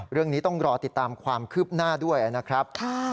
เรื่องนี้ต้องรอติดตามความคืบหน้าด้วยนะครับ